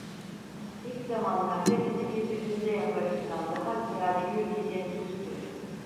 İlk zamanlarda bizi birbirimize yaklaştıran daha ziyade bir tecessüstü.